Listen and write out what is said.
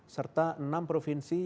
serta enam provinsi yang dimingguan